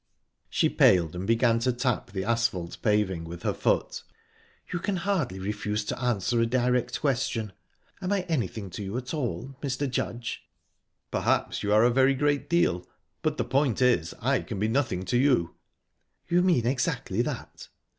She paled, and began to tap the asphalt paving with her foot. "You can hardly refuse to answer a direct question. Am I anything to you at all, Mr. Judge?" "Perhaps you are a very great deal, but the point is, I can be nothing to you." "You mean exactly that?"